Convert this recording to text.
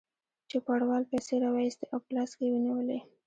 چوپړوال پیسې راوایستې او په لاس کې یې ونیولې.